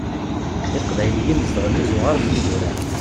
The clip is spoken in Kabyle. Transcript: Iqbayliyen zedɣen izuɣar d yidurar.